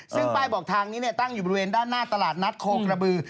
ซึ่งป้ายบอกทางนี้ตั้งอยู่บริเวณด้านหน้าตลาดนัดโคกระบือ